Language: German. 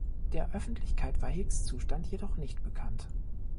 Der Öffentlichkeit war Hicks‘ Zustand jedoch nicht bekannt.